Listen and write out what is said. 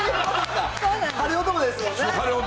晴れ男ですもんね。